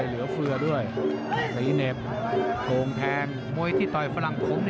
เหลือเฟือด้วยสีเหน็บโกงแทงมวยที่ต่อยฝรั่งโค้ง